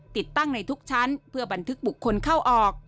ติดตั้งในทุกชั้นเพื่อบันทึกบุคคลเข้าออก